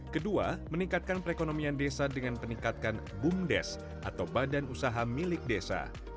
kedua meningkatkan perekonomian desa dengan peningkatan bumdes atau badan usaha milik desa